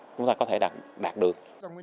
chúng ta có thể đạt được